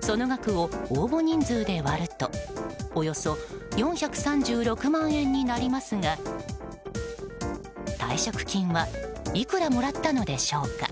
その額を応募人数で割るとおよそ４３６万円になりますが退職金はいくらもらったのでしょうか。